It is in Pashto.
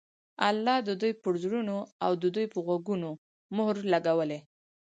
الله د دوى پر زړونو او د دوى په غوږونو مهر لګولى